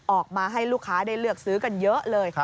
ออกมาให้ลูกค้าได้เลือกซื้อกันเยอะเลย